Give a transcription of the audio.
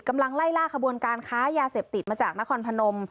กำลังไล่ล่าขบวนการค้ายาเสพติดมาจากนครพนม